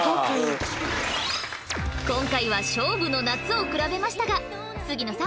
今回は勝負の夏をくらべましたが杉野さん